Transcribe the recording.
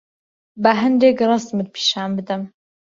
با هەندێک ڕەسمت پیشان بدەم.